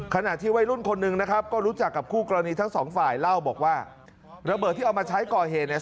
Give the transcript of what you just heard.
ขณะที่วัยรุ่นคนหนึ่งนะครับก็รู้จักกับคู่กรณีทั้งสองฝ่ายเล่าบอกว่าระเบิดที่เอามาใช้ก่อเหตุเนี่ย